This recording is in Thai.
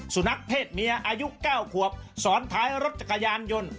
สุนัขเพศเมียอายุ๙ขวบซ้อนท้ายรถจักรยานยนต์